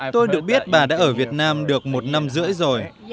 tôi được biết bà đã ở việt nam được một năm rưỡi rồi